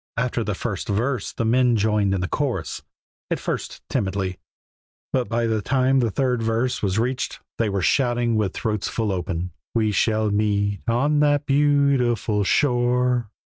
After the first verse the men joined in the chorus; at first timidly, but by the time the third verse was reached they were shouting with throats full open, "We shall meet on that beautiful shore."